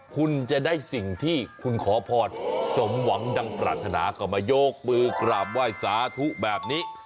คุณจะได้สิ่งที่คุณขอพรสมหวังดังปรารถนาก็มาโยกมือกราบไหว้สาธุแบบนี้